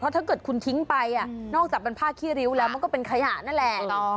ถ้าเกิดคุณทิ้งไปนอกจากเป็นผ้าขี้ริ้วแล้วมันก็เป็นขยะนั่นแหละ